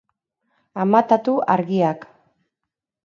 Amatatu argiak